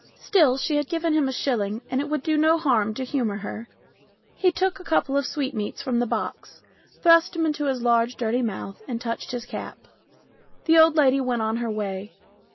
Still, she had given him a shilling and it would do no harm to humour her. He took a couple of sweetmeats from the box, thrust them into his large, dirty mouth, and touched his cap. The old lady went on her way.